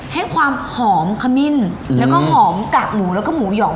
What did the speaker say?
ให้ความหอมขมิ้นแล้วก็หอมกากหมูแล้วก็หมูหยอง